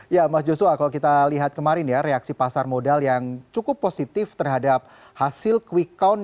ya mas joshua kalau kita lihat kemarin ya reaksi pasar modal yang cukup positif terhadap hasil quick count